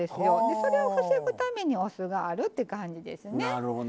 それを防ぐためにお酢があるって感じですね。